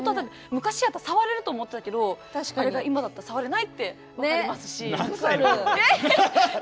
昔やったら触れると思ってたけど今だったら触れないって何歳だよ。